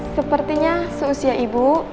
sepertinya seusia ibu